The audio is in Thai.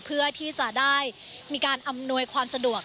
เพื่อที่จะได้มีการอำนวยความสะดวก